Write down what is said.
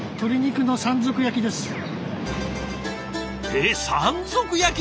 えっ山賊焼き？